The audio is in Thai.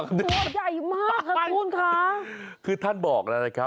ตัวใหญ่มากค่ะคุณค้า